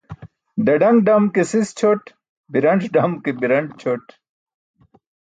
Ḍaḍaṅ ḍam ke sis ćʰoot, biranc̣ dam ke biranc̣ ćʰoot